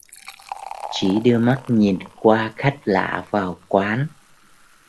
Chỉ đưa mắt nhìn qua khách lạ vào quán